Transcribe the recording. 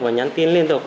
và nhắn tin liên tục